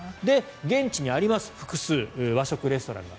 現地にあります、複数和食レストランが。